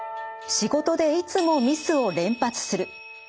仕事でいつもミスを連発する。